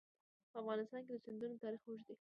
په افغانستان کې د سیندونه تاریخ اوږد دی.